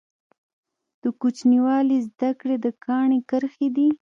د کوچنیوالي زده کړي د کاڼي کرښي دي.